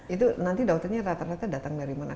itu nanti dokternya rata rata datang dari mana